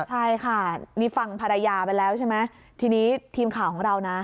ใช่ค่ะนี่ฟังภรรยาไปแล้วใช่ไหมทีนี้ทีมข่าวของเรานะ